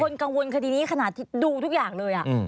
คือคนกังวลคณีนี้ขนาดดูทุกอย่างเลย